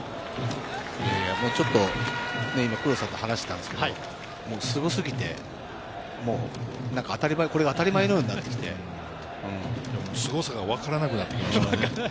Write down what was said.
ちょっと黒田さんと話したんですけれど、すごすぎて、これが当たり前のようになってきて、すごさがわからなくなってきました。